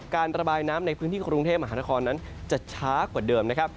การระบายน้ำในพื้นที่กรุงเทพมหานครนั้นจะช้ากว่าเดิมนะครับ